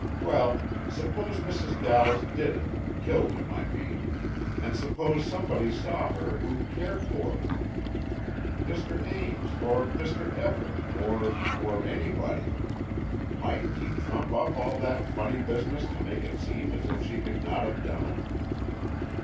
Well, suppose Mrs. Dallas did it—killed him, I mean—and suppose somebody saw her who cared for her, Mr. Ames or Mr. Everett, or—or anybody. Mightn't he trump up all that funny business to make it seem as if she could not have done it?"